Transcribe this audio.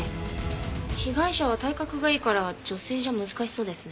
被害者は体格がいいから女性じゃ難しそうですね。